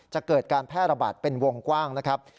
จะเกิดการแพร่ระบาดเป็นวงกว้างนะครับ